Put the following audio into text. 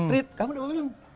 rit kamu tidak bawa helm